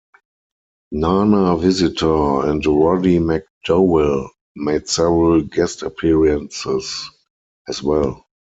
Nana Visitor and Roddy McDowall made several guest appearances as well.